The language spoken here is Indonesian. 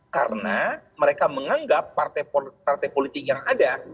karena mereka menganggap partai partai politik yang ada